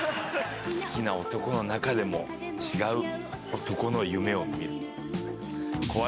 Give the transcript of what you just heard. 好きな男の中でも違う男の夢を見る。